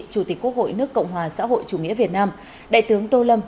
chủ tịch quốc hội nước cộng hòa xã hội chủ nghĩa việt nam đại tướng tô lâm